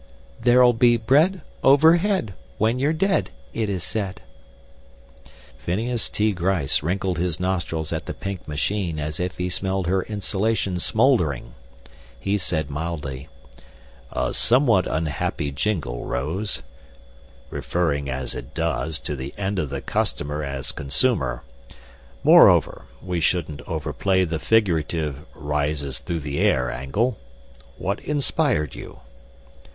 "There'll be bread Overhead When you're dead It is said." Phineas T. Gryce wrinkled his nostrils at the pink machine as if he smelled her insulation smoldering. He said mildly, "A somewhat unhappy jingle, Rose, referring as it does to the end of the customer as consumer. Moreover, we shouldn't overplay the figurative 'rises through the air' angle. What inspired you?"